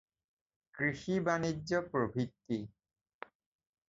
কৃষি-বাণিজ্য প্রভৃতি